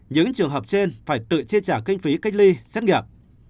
những trường hợp trên phải tự chi trả kinh phí cách ly xét nghiệm